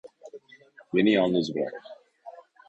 Beni yanlız bırak.